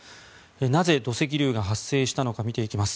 なぜ土石流が発生したのか見ていきます。